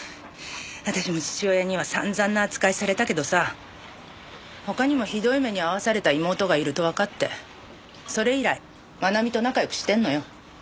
私も父親には散々な扱いされたけどさ他にもひどい目に遭わされた妹がいるとわかってそれ以来真奈美と仲良くしてるのよ。